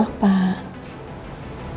kamu perlu apa